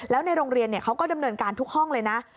แล้วในโรงเรียนเขาก็ดำเนินการทุกห้องเลยนะ